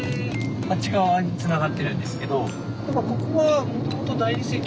あっち側につながってるんですけど。